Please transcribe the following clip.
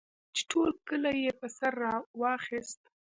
چې ټول کلی یې په سر واخیست.